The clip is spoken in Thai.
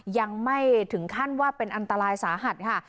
ยังไม่ถึงขั้นว่าเป็นอันตรายสาหัสค่ะ